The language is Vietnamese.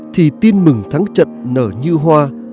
thì tin mừng thắng trận nở như hoa